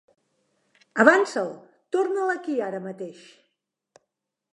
Avança'l; torna'l aquí ara mateix!